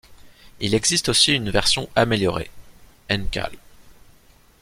Il existe aussi une version améliorée, ncal.